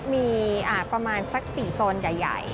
มีประมาณสัก๔โซนใหญ่